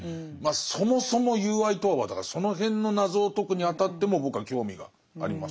そもそも友愛とはだからその辺の謎を解くにあたっても僕は興味があります。